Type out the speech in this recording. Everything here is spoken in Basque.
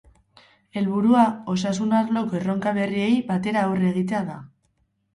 Helburua, osasun arloko erronka berriei batera aurre egitea da.